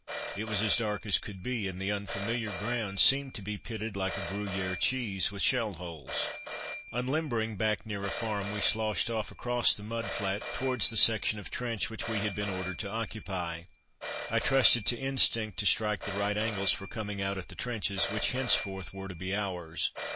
It was as dark as could be, and the unfamiliar ground seemed to be pitted like a Gruyère cheese with shell holes. Unlimbering back near a farm we sloshed off across the mud flat towards the section of trench which we had been ordered to occupy. I trusted to instinct to strike the right angles for coming out at the trenches which henceforth were to be ours.